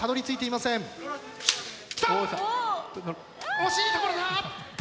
惜しいところだ！